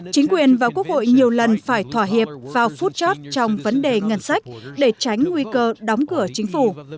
chính quyền và quốc hội nhiều lần phải thỏa hiệp vào phút chót trong vấn đề ngân sách để tránh nguy cơ đóng cửa chính phủ